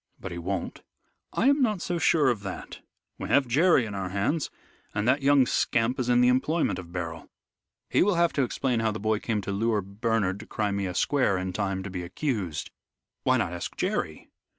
"But he won't." "I am not so sure of that. We have Jerry in our hands, and that young scamp is in the employment of Beryl. He will have to explain how the boy came to lure Bernard to Crimea Square in time to be accused." "Why not ask Jerry?"